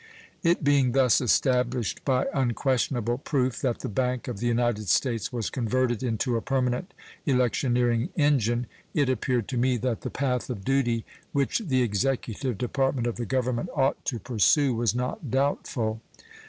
It being thus established by unquestionable proof that the Bank of the United States was converted into a permanent electioneering engine, it appeared to me that the path of duty which the executive department of the Government ought to pursue was not doubtful.